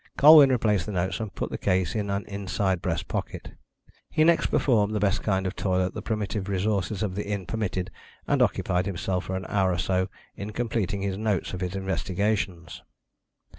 Colwyn replaced the notes, and put the case in an inside breast pocket. He next performed the best kind of toilet the primitive resources of the inn permitted, and occupied himself for an hour or so in completing his notes of his investigations.